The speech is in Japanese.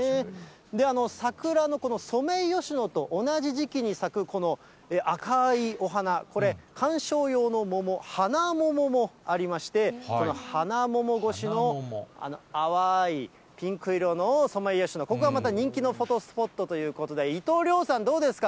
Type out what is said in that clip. で、桜のこのソメイヨシノと同じ時期に咲く、この赤いお花、これ、観賞用の桃、花桃もありまして、この花桃越しのあわーいピンク色のソメイヨシノ、ここがまた人気のフォトスポットということで、伊藤遼さん、どうですか？